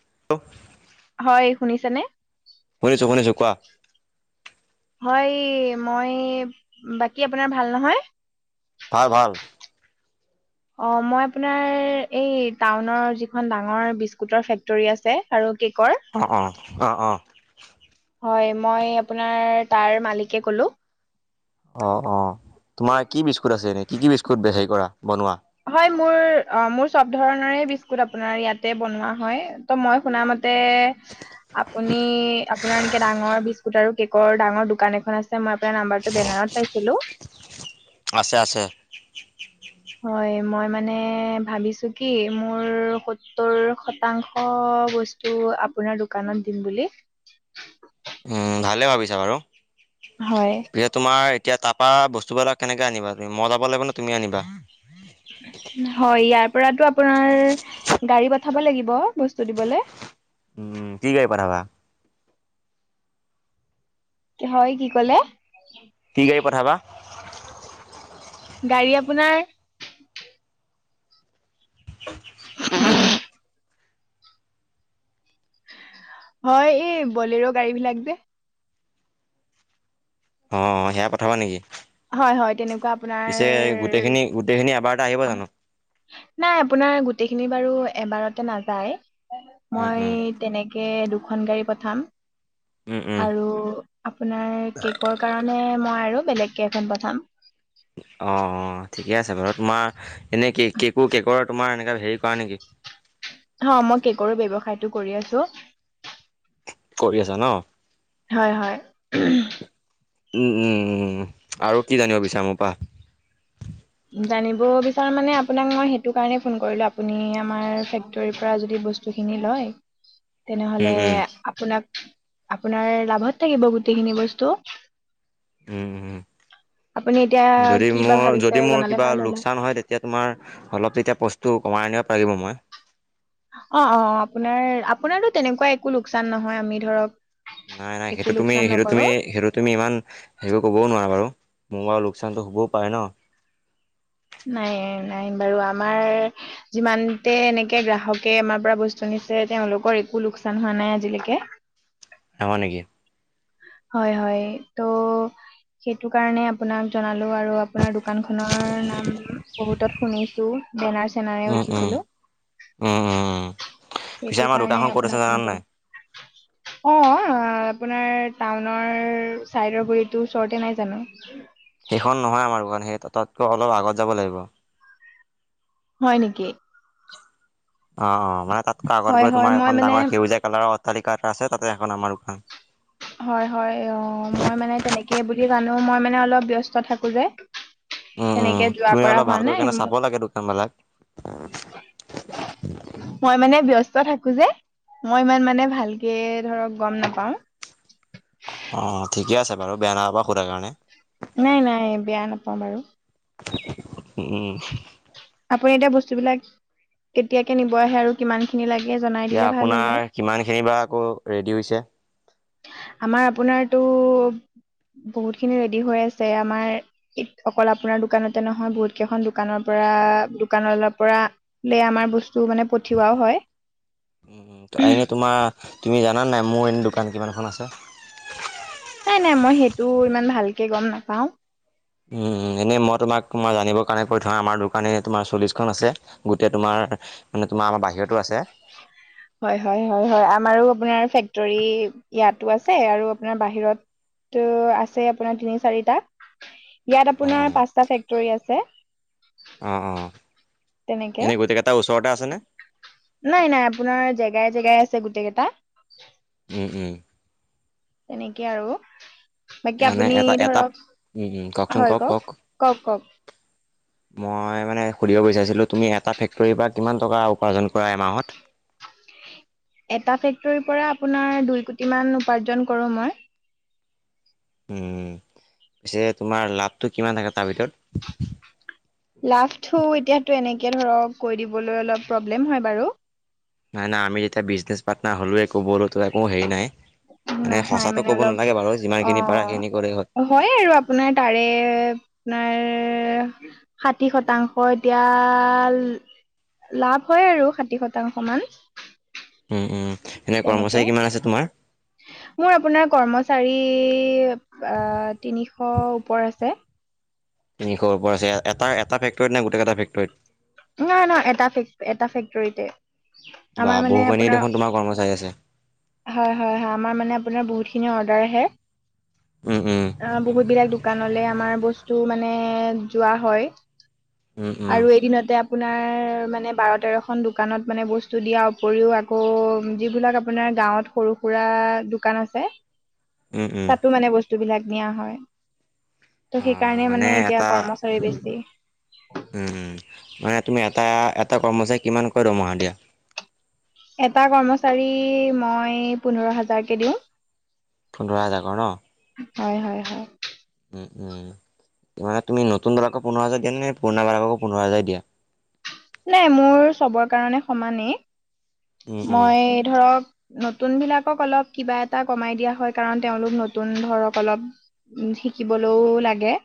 [unintelligible] হয় শুনিছে নে? শুনিছো শুনিছো কোৱা। হয় মই বাকী আপোনাৰ ভাল নহয়? ভাল ভাল। অ' মই আপোনাৰ এই টাউনৰ যিখন ডাঙৰ বিস্কুটৰ ফেক্টৰী আছে আৰু কেকৰ অ', অ', আ, অ'। হয় মই আপোনাৰ তাৰ মালিকে ক'লোঁ। অ' অ'। তোমাৰ কি বিস্কুট আছে এনে কি কি বিস্কুট বে হেৰি কৰা বনোৱা? হয়, মোৰ - অ মোৰ চব ধৰণৰে বিস্কুট আপোনাৰ ইয়াতে বনোৱা হয়। ত' মই শুনা মত তে আপুনি আপোনাৰ এনেকে ডাঙৰ বিচ কুত আৰু কেকৰ ডাঙৰ দোকান এখন আছে, মই আপোনাৰ নাম্বাৰটো বেনাৰত পাইছিলো। আছে আছে। হয়, মই মানে ভাবিছো কি মোৰ হতৌৰ হতাংশ বস্ত আ [unintelligible] আপোনাৰ দোকানত দিম বুলি উম ভালে ভাবিছা বাৰু হয় প্ৰিয় তোমাৰ [unintelligible] এতিয়া তাপা বস্তুবিলাক কেনেকে আনিবা তুমি মই যাব লাগিব ন তুমি আনিবা [unintelligible] হয় ইয়াৰ পৰাটো আপোনাৰ গাড়ী ব [unintelligible] ঠাব লাগিব বস্তু দিবলৈ। উম, কি গাড়ী পঠাবা। হয় কি ক'লে [unintelligible] কি গাড়ী পঠাবা। গাড়ী আপোনাৰ [inaudible] হয় এই বলেৰ গাড়ী বিলাক যে অ, অ, সেয়া পঠাবা নেকি? হয় হয় তেনেকুৱা আপোনাৰ পিছে গোটেইখিনি গোটেইখিনি এবাৰতে আহিব জানো? নাই আপোনাৰ গোটেইখিনি বাৰু এবাৰতে নাযায়। উম মই উম তেনে দুখন গাড়ী পঠাম। উম উম আৰু আপোনাৰ কেকৰ কাৰণে মই আৰু বেলেগকে এখন পঠাম। অঁ অ ঠিকে আছে বাৰু তোমাৰ এনেই কেকো কেকৰ তোমাৰ এনেকা হেৰি কৰা নেকি? অ মই কেকৰো ব্যৱসায়টো কৰি আছো কৰি আছা ন হয়, হয়। উম উম উম আৰু কি জানিব বিচাৰা মোপা [unintelligible] জানিব বিচাৰো মানে আপোনাক মই সেইটো কাৰণে ফোন কৰিলো আপুনি আমাৰ ফেক্টৰী পৰা য বস্তু খিনি লয়। উম, তেনেহলে উম, আপোনাক আপোনাৰ লাভত থাকিব গোটেইখিনি বস্তু। উম, উম। আপুনি এতিয়া যদি কি বা মোৰ ভাবিছে যদি মোৰ জনালে কিবা ভাল হ'ল লোকচান হয় তেতিয়া তোমাৰ অলপ তেতিয়া বস্তু কমাই [unintelligible] পাৰিব মই অ অ আপোনাৰ আপোনাৰো তেনেকুৱা একো লোকচান নহয় আমি ধৰক নাই নাই একো সেইটো তুমি লোকচান সেইটো নকৰো তুমি সেইটো তুমি ইমান সেৰিবোৰ ক'বও নোৱাৰা বাৰু [unintelligible] মোৰ বাওঁ লোকচানটো হ'বও পাৰে ন। নাই নাই বাৰু আমাৰ যিমানতে এনেকে গ্ৰাহকে আমাৰ পৰা বস্তু নি তেওঁলোকৰ একো লোকচান হোৱা নাই আজিলৈকে জানা নিকি? [unintelligible] হয় হয় ত সেইটো কাৰণে আপোনাক জনালো আৰু আপোনাৰ দোকান খনৰ নাম বহুত শুনিছো, বেনাৰ চেনাৰেও উম, উম, দেখিছিলো উম, উম, উম পিছে সেইটো আমাৰ কাৰণে দোকানখন ক'ত আছে আপোনাক ফোন জানানে নাই। কৰিলো অ' আপোনাৰ টাউনৰ সেইখন নহয় আমাৰ কাৰণে সেই তাতকৈ অলপ আগত যাব লাগিব। হয় নেকি অ, অ' মানে তাতকৈ আগত হয় গৈ হয় তোমাৰ মই এখন মানে ডাঙৰ সেউজীয়া কালাৰৰ অটালিক এটা আছে তাতে এখন আমাৰ দোকান। হয়, হয় অ' মই মানে তেনেকে বুলি জানো মই মানে অলপ ব্যস্ত থাকো যে। উম তেনেকে উম যোৱা তুমি কৰা অলপ হোৱা ভালকৈ নাই কেনে চাব মো- লাগে দোকানবিলাক [unintelligible] মই মানে ব্যস্ত থাকো যে মই ইমান মানে ভালকে ধৰক গম নাপাও অ ঠিকে আছে বাৰু বেয়া নাপাবা খুধাৰ কাৰণে [unintelligible] নাই নাই বেয়া নাপাওঁ বাৰু। [unintelligible] উম। আপুনি এতিয়া বস্তুবিলাক কেতিয়াকে নিব আহে আৰু কিমান খিনি লাগ? এতিয়া আপোনাৰ কিমানখিনিৰ বা আকৌ ৰেডি হৈছে। আমাৰ আপোনাৰতটো বহুত খিনি ৰেডি হৈ আছে। আমাৰ ই অকল আপোনাৰ দোকানতে নহয় বহুত কেইখন দোকানৰ পৰা দোকান পৰা আমাৰ বস্তু তটো মানে পঠিওৱাও উম, হয়। এনেই তোমাৰ তুমি জানা নাই মোৰ এনে দোকান কিমানখন আছে? নাই নাই মই সেইটো ইমান ভালকে গম নাপাও। উম, এনেই মই তোমাক তোমাৰ জানিবৰ কাৰণে কৈ থওঁ আমাৰ দোকানী তোমাৰ চল্লিশখন আছে। গোটেই তোমাৰ মানে তোমাৰ আমাৰ বাহিৰতো আছে। [inaudible] হয়, হয় হয়, হয় আমাৰো আপোনাৰ ফেক্টৰী ইয়াতো আছে আৰু আপোনাৰ বাহিৰত ত' আছে আপোনাৰ তিনি চাৰিটা ইয়াত অ আপোনাৰ অ পাঁচটা ফেক্টৰী আছে। অ, অ'। তেনেকে এনেই গোটেইকেইটা ওচৰতে আছেনে নাই নাই আপোনাৰ জেগাই জেগাই আছে। গোটেই কেইটা। উম উম। তেনেকে আৰু বাকী এনে আপুনি এটা এটা ধৰক উম, উম, কওকচোন হয়, কওক, কওক, কওক। মই মানে সুধিব বিচাৰিছিলোঁ তুমি এটা ফেক্টৰীৰ পৰা কিমান টকা উপাৰ্জন কৰা এমাহত? [inaudible] এটা ফেক্টৰীৰ পৰা আপোনাৰ দুই কোটি মান উপাৰ্জন কৰোঁ মই। উম পিছে তোমাৰ লাভটো কিমান থাকে তাৰ ভিতৰত? লাভটো এতিয়াতো এনেকে ধৰক কৈ দিবলৈ অলপ প্ৰব্লেম হয় বাৰু। নাই নাই আমি যেতিয়া বিজনেছ পাৰ্টনাৰ হ'লোৱে কবলোতো একো হেৰি নাই। [inaudible] মানে নাহাই সঁচাটো মানে ক'ব অলপ নালাগে বাৰু যিমানখিনি পাৰা সেইখিনি ক'লে হ'ল অ হয় আৰু আপোনাৰ তাৰে আপোনাৰ ষাঠি শতাংশ এতিয়া লাভ হয় আৰু ষাঠি শতাংশ মান। উম্ উম। এনে তেনেকে কৰ্মচাৰী কিমান আছে তোমাৰ মোৰ আপোনাৰ কৰ্ম চাৰি অ তিনিশ ওপৰ আছে। তিনিশ ওপৰ আছে এটা এটা ফেক্টৰীত নে গোটেই কেইটা ফেক্টৰীত? নহয় নহয় এটা ফেক এটা ফেক্টৰীতে বা আমাৰ মানে বহুখিনি আপোনাৰ দেখোন তোমাৰ কৰ্মচাৰী আছে হয় হয় হয় আমাৰ মানে আপোনাৰ বহুত অৰ্ডাৰ আহে। উম উম বহুত বিলাক দোকান লে আমাৰ বস্তু টো মানে যোৱা হয়। উম উম আৰু এদিনতে আপোনাৰ মানে বাৰ, তেৰখন দোকানত মানে বস্তু দিয়াৰ উপৰিও আকৌ যিবিলাক আপোনাৰ গাঁৱত সৰু-সুৰা দোকান আছে। উম উম তাতো মানে বস্তুবিলাক নিয়া হয়। ত' অ সেইকাৰণে মানে এতিয়া এটা কৰ্মচাৰী উম বেছি। উম উম মানে তুমি এটা, এটা কৰ্মচাৰীক কিমানকৈ দৰমহা দিয়া? এটা কৰ্মচাৰী, মই পোন্ধৰ হাজাৰকে দিওঁ। পোন্ধৰ হাজাৰ কৰ ন? হয় হয় হয়। উম উম। মানে তুমি নতুন বিলাকো পোন্ধৰ হাজাৰ দিয়া নে পুৰনা বিলাককো পোনন্ধৰই হাজাৰ দিয়া? নাই মোৰ চবৰ কাৰণে সমানেই, উম উম মই ধৰক নতুন বিলাকক অলপ কিবা এটা কমাই দিয়া হয় কাৰণ তেওঁলোক নতুন ধৰক অলপ শিকিবলৈও লাগে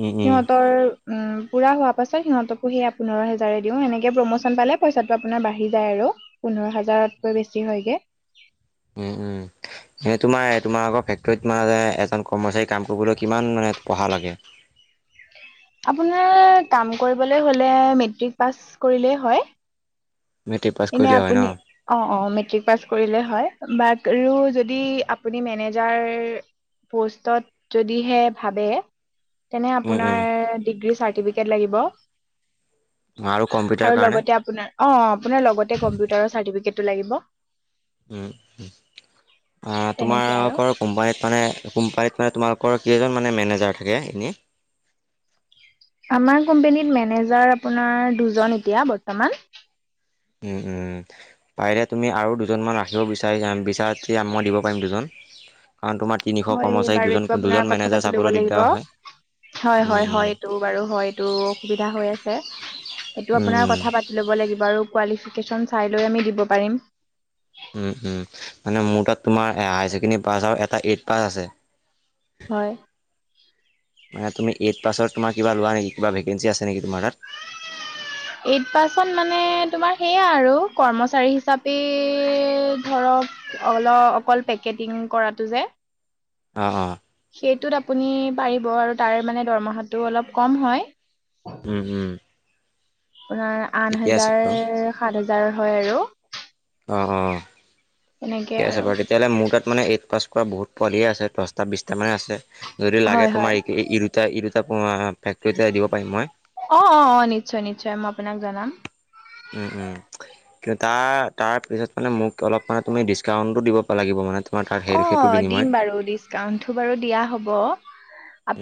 উম উম সিহঁতৰ উম। পূৰা হোৱা পাছত সিহঁতকো সেয়া পোন্ধৰ হেজাৰে দিওঁ, এনেযে প্ৰম'চন পালে পইচা আপোনাৰ বাঢ়ি যায় আৰু। পোন্ধৰ হাজাৰতকৈ বেছি হয়গে। উম উম। এ তোমাৰ তোমাৰ আগৰ ফেক্টৰীত মানে এজন কৰ্মচাৰী কাম কৰিবলৈ কিমান মানে পঢ়া লাগে? [unintelligible] আপোনাৰ কাম কৰিবলৈ হ'লে মেট্ৰিক পাছ কৰিলেই হয়। মেট্ৰিক পাছ এনে কৰিলে হয় ন আপুনি অ অ ম মেট্ৰিক পাছ কৰিলে হয় বাকৰো যদি আপুনি মেনেজাৰ পোষ্টত যদিহে ভাবে তেনে উম আপোনাৰ উম ডিগ্ৰী চাৰ্টিফিকেট লাগিব। আৰু কম্পিউটাৰ আৰু কাৰণে লগতে অপোনাৰ অ আপোনাৰ লগতে কম্পিউটাৰ চাৰ্টিফিকেট টো লাগিব। তেনেকে আৰু তোমালোকৰ কোম্পানীত মানে কোম্পানীত মানে তোমালোকৰ কেইজন মানে মেনেজাৰ থাকে এনে আমাৰ কোম্পানীত মেনেজাৰ আপোনাৰ দুজন এতিয়া বৰ্তমান। উম উম পাৰিলে তুমি আৰু দুজনমান ৰাখিব বিচাৰি বিচাৰা যেতিয়া মই দিব পাৰিম দুজন। কাৰণ তোমাৰ তিনিশ হয় কৰ্মচাৰীক বাৰু দুজন এইটো দুজন আপোনাৰ কথা মেনেজাৰ পাতি লব চাবলৈ লাগিব দিগদাৰ হয় উম উম হয়-হয়-হয় এইটো বাৰু হয়, এইটো অসুবিধা হৈ আছে। এইটো উম আপোনাৰ উম কথা পাতি ল'ব লাগিব আৰু কোৱালিফিকেশ্যন চাই লৈ আমি দিব পাৰিম উ উম মানে মোৰ তাত তোমাৰ হায়াৰ ছেকেণ্ডেৰী পাছ আৰু এটা এইট পাছ আছে। হয়। মানে তুমি এইট পাছত তোমাৰ কিবা লোৱা নেকি কিবা ভেকেঞ্চি আছে নেকি তোমাৰ তাত। এইট পাৰ্চন মানে তোমাৰ সেইয়া আৰু কৰ্মচাৰী হিচাপে ধৰক অলপ অকল পেকেটিং কৰাটো যে। অ অ সেইটোত আপুনি পাৰিব আৰু তাৰ মানে দৰমহাটো অলপ কম হয়। উম উম আপোনাৰ আঠ ঠিকে আছে হাজাৰ বাৰু সাত হাজাৰ হয় আৰু। অঁ অঁ তেনেকে ঠিকে আছে আৰু বাৰু তেতিয়াহ'লে মোৰ তাত মানে এইট পাছ বহুত পোৱালিয়ে আছে দহটা বিছটা মানে আছে যদি লাগে হয় তোমাৰ হয় এ একেৰি তেতিয়া ই দুটা কও আহা, ফেক্টৰীত তেতিয়া দিব পাৰিম মই। অ অ অ নিশ্চয় নিশ্চয় মই আপোনাক জনাম উম উম কিন্তু তাৰ তাৰপিছত মানে মোক অলপ মানে তুমি ডিছকাউণ্টো দিব লাগিব মানে তোমাৰ তাত সেই অ সেইটো দিম বিনিময়ত বাৰু ডিচকাউন্টটো বাৰু দিয়া হ'ব।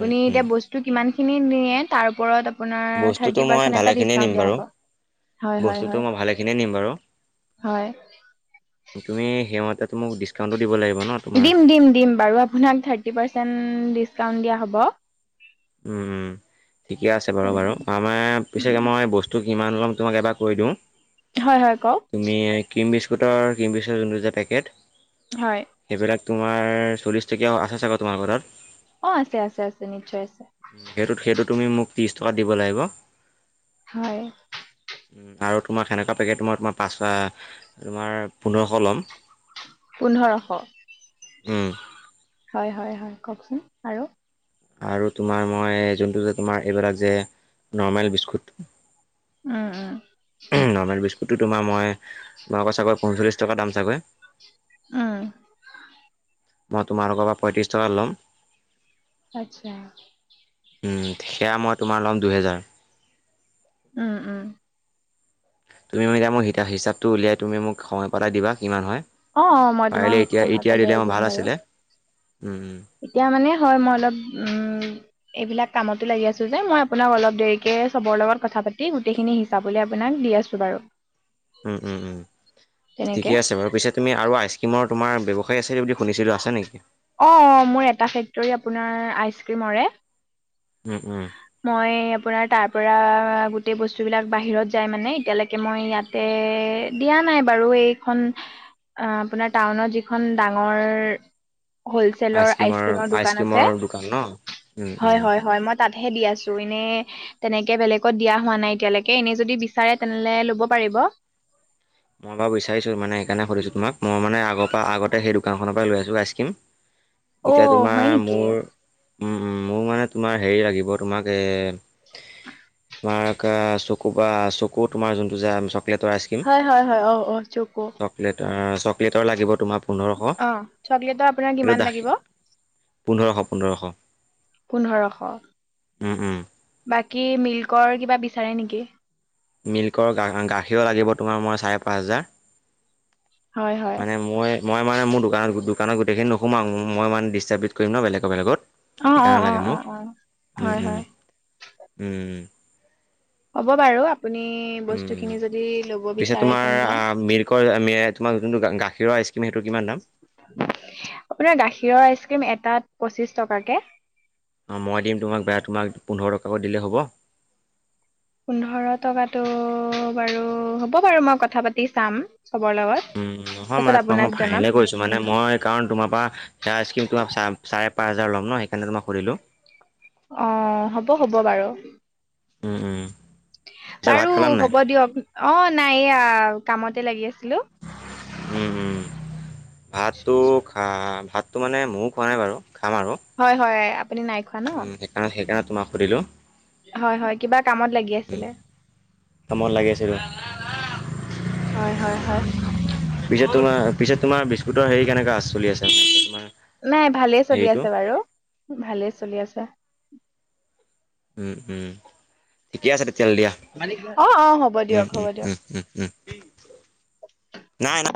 উম উম এতিয়া বস্তু কিমান খিনি নিয়ে তাৰ ওপৰত আপোনাৰ বস্তুটো থাৰ্টি মই পৰ্চন্তেএটা ভালেখিনিয়ে নিম ডিছকাউণ্ট দিয়া বাৰু হব। হয় হয় বস্তুটো হয় মই ভালেখিনিয়ে নিম বাৰু তুমি সেই মতে মোক ডিচকাউন্টটো দিম দিম দিম বাৰু আপোনাক থাৰ্টি পাৰ্চেন্ট ডিছকাউণ্ট দিয়া হ'ব। উম উম ঠিকে আছে বাৰু বাৰু তেনেকে আমাৰ পিছে উম, মই বস্তু কিমান লম তোমাক এবাৰ কৈ দিওঁ হয় হয় কওক তুমি ক্ৰীম বিস্- দুটাৰ [unintelligible] পেকেট হয় সেইবিলাক তোমাৰ চল্লিছ টকীয়া আছে চাগৈ তোমাৰ ঘৰত অ আছে আছে আছে নিশ্চয় আছে। সেইটোত সেইটো তুমি মোক ত্ৰিছ টকাত দিব লাগিব। হয় আৰু তোমাক সেনেকুৱা পেকেট মই তোমাৰ পাঁচশ তোমাৰ পোন্ধৰশ ল'ম। পোন্ধৰশ উম, হয় হয় হয় কওকচোন আৰু আৰু তোমাৰ মই, যোনটো যে তোমাৰ এইবিলাক যে নৰ্মেল বিস্কুট। উম উম। সিটো তোমাৰ মই মাকৰ চাগৈ পঞ্চল্লিছ টকা দাম চাগৈ উম মই তোমালোকৰ পৰা পঁয়ত্ৰিছ টকাত ল'ম আচ্ছা উম, সেয়া মই তোমাৰ ল'ম দুহেজাৰ উম উম তুমি ম এতিয়া মোৰ হিতা হিচাপটো উলিয়াই তুমি মোক সময় পেলাই দিবা কিমান হয় অ অ মই তোমাক পাৰিলে সময় এতিয়া-এতিয়া পালে দিলে অ, দিম ভাল বাৰু আছিলে। উম এতিয়া মানে। হয়। মই অলপ উম এইবিলাক কামতো লাগি আছো যে মই আপোনাক অলপ দেৰিকে চবৰ লগত কথা কথা পাতি গোটেইখিনি হিচাব উলিয়াই আপোনাক দি আছো বাৰু। উম উম উম তেনেকে ঠিকে আছে বাৰু পিছে তুমি আৰু আইচক্ৰিমৰ তোমাৰ ব্যৱহা- অ মোৰ এটা ফেক্টৰী আপোনাৰ আইচ ক্ৰীমৰে। উম উম মই আপোনাৰ তাৰ পৰা গোটেই বস্তু বিলাক বাহিৰত যাই মানে, এতিয়ালৈকে মই ইয়াতে এ দিয়া নাই বাৰু এইখন আপোনাৰ টাউনত যিখন ডাঙৰ হলচেলৰ আইচক্ৰীমৰ আইচক্ৰিমৰ দোকান আছে আইচক্ৰীমৰ দোকান ন উম উম হয় হয় হয় মই তাত দিয়া আছোঁ এনেই তেনেকে বেলেগত দিয়া হোৱা নাই এতিয়ালৈকে এনে যদি বিচাৰে তেনেহলে ল'ব পাৰিব। [unintelligible] মই বিচাৰিছিলোঁ মানে সেইকাৰণে সুধিছোঁ তোমাক। আগৰ পা, আগতে সেই দোকানখনৰ পৰা লৈ আছোঁ আইচক্ৰীম। অ এতিয়া হয় তোমাৰ নেকি মোৰ মোৰ মানে তোমাৰ হেৰি লাগিব তোমাক এ তোমাৰ চকু বা চকু তোমাৰ যোনটো যে চকলেটৰ আইচক্ৰীম। হয় হয় অ অ চকো চকলেট আহ চকলেটৰ লাগিব তোমাক। অ চকলেটৰ আপোনাৰ কিমান লাগিব। পোন্ধৰশ পোন্ধৰশ। পোন্ধৰশ উম উম বাকী মিল্কৰ কিবা বিচাৰে নেকি? মিল্কৰ গাখীৰ লাগিব তোমাৰ মই চাৰে পাঁচ হেজাৰ। হয় হয় মানে মই মই মানে মোৰ দু দোকান দোকানত গোটেইখিনি নোহোমাও মই মানে ডিষ্টাৰ্বিট কৰিম ন বেলেগ বেলেগত। অ অ সেইকাৰণে অ লাগে অ মোক অ হয় উম উম হয় উম। হ'ব বাৰু আপুনি উম বস্তুখিনি যদি ল'ব পিছে বিচাৰে তোমাৰ তেনেহ'লে মিল্কৰ তোমাৰ যোনটো গাখীৰৰ আইচ ক্ৰীম। আপোনাৰ গাখীৰৰ আইচক্ৰীম এটাত পঁচিচ টকাকে অঁ মই দিম তোমাক বেয়া তোমাক পোন্ধৰ টকাকৈ দিলেই হ'ব। পোন্ধৰ টকাটো বাৰু হ'ব বাৰু মই কথা পাতি চাম। চবৰ লগত উম নহয় তাৰপিছত মানে তোমাক আপোনাক মই জনাম ফাইনেলহে কৰিছো। মানে মই কাৰণ তোমাৰ পৰা সেয়াৰ তোমাৰ চাৰে চাৰে পাঁচ হাজাৰ ল'ম ন সেইকাৰণে তোমাক সুধিলোঁ অ হ'ব হ'ব বাৰু। উম উম। পিছে ভাত বাৰু খালা নাই হ'ব দিয়ক অ নাই এয়া কামতে লাগি আছিলোঁ। উম উম ভাতটো খা ভাতটো মানে ময়ো খোৱা নাই বাৰু। হয় হয়। আপুনি নাই খোৱা ন উ সেইকাৰণে সেইকাৰণে তোমাক সুধিলো হয় হয় কিবা কামত লাগি আছিলে। কামত লাগি আছিলোঁ হয় হয় হয়। পিছে তোমাৰ পিছে তোমাৰ বিস্কুটৰ হেৰি কেনেকুৱা আছে। চলি মানে তোমাৰ নাই ভালেই চলি হেৰিটো আছে বাৰু ভালেই চলি আছে। উম উম ঠিকে আছে। খেল দিয়া। অ' অ' হ'ব উম, দিয়ক হ'ব দিয়ক উম, উম, উম। নাই নাই